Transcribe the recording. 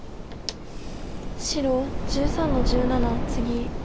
白１３の十七ツギ。